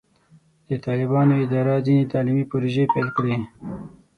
د طالبانو اداره ځینې تعلیمي پروژې پیل کړې.